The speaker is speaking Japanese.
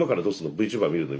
ＶＴｕｂｅｒ見るの？